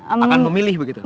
akan memilih begitu